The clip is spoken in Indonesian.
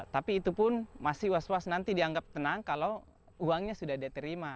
tapi itu pun masih was was nanti dianggap tenang kalau uangnya sudah diterima